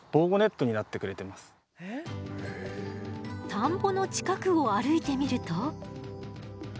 田んぼの近くを歩いてみると。